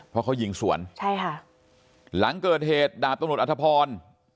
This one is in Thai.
เพราะเขายิงสวนใช่ค่ะหลังเกิดเหตุดาบตำรวจอัธพร